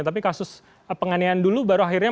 tapi kasus penganiayaan dulu baru akhirnya